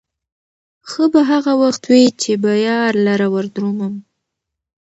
ښه به هغه وخت وي، چې به يار لره وردرومم